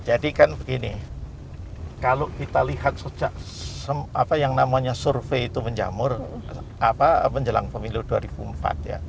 jadi kan begini kalau kita lihat sejak apa yang namanya survei itu menjamur menjelang pemilu dua ribu empat ya